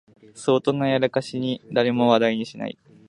相当なやらかしなのに誰も話題にしない